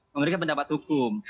memberikan pendapat hukum